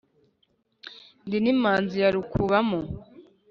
ndi n' imanzi ya rukubamo